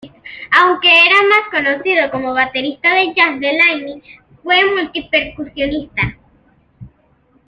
Aunque era más conocido como baterista de Jazz, Delaney fue multi-percusionista.